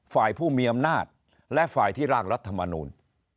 ฝ่ายผู้มีอำนาจและฝ่ายที่ร่างรัฐมนูล